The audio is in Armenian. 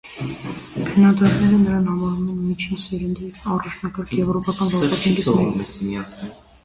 Քննադատները նրան համարում են միջին սերնդի առաջնակարգ եվրոպական վարպետներից մեկը։